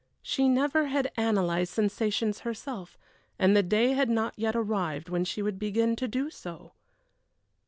She never had analyzed sensations herself, and the day had not yet arrived when she would begin to do so.